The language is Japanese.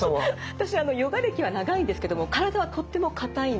私ヨガ歴は長いんですけども体はとっても硬いんです。